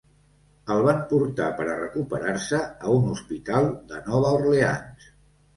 El van portar per a recuperar-se a un hospital de Nova Orleans.